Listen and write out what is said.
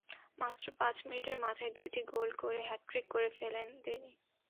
মাত্র পাঁচ মিনিটের মাথায় দুইটি গোল করে হ্যাটট্রিক করে ফেলেন তিনি।